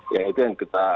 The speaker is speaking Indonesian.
yang itu yang kita